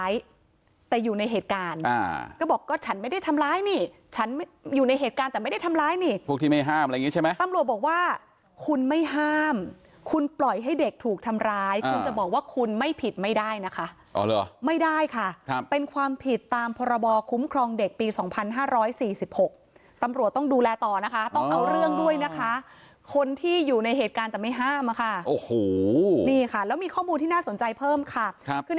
ฉันอยู่ในเหตุการณ์แต่ไม่ได้ทำร้ายนี่พวกที่ไม่ห้ามอะไรอย่างงี้ใช่ไหมตำรวจบอกว่าคุณไม่ห้ามคุณปล่อยให้เด็กถูกทำร้ายคุณจะบอกว่าคุณไม่ผิดไม่ได้นะคะไม่ได้ค่ะครับเป็นความผิดตามพรบคุ้มครองเด็กปี๒๕๔๖ตำรวจต้องดูแลต่อนะคะต้องเอาเรื่องด้วยนะคะคนที่อยู่ในเหตุการณ์แต่ไม่ห้ามอะค่ะโอ้โหนี่ค่ะแล้วมีข้อมูลที่น่าสนใจเพิ่มค่ะขึ้น